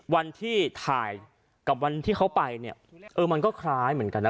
วันที่ถ่ายกับวันที่เขาไปเนี่ยเออมันก็คล้ายเหมือนกันนะ